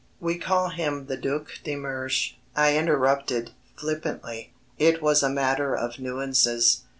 "We call him the Duc de Mersch," I interrupted, flippantly. It was a matter of nuances.